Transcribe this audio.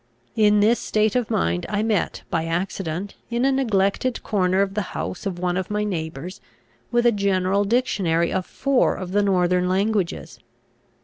In this state of mind, I met by accident, in a neglected corner of the house of one of my neighbours, with a general dictionary of four of the northern languages.